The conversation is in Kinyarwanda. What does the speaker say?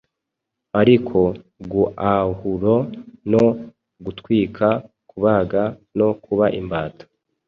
Ariko guahura no , gutwika, kubaga, no kuba imbata